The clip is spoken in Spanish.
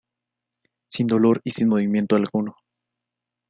Sin dolor y sin movimiento alguno.